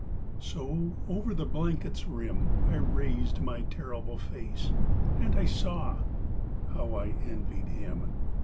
So over the blanket's rim I raised my terrible face, And I saw how I envied him!